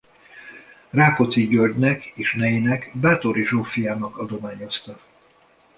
Rákóczi Györgynek és nejének Báthori Zsófiának adományozta.